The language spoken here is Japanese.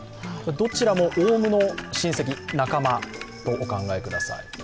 どちらもオウムの親戚、仲間とお考えください。